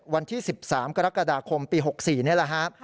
วันที่๑๓กรกฎาคมปี๖๔นี่แหละฮะ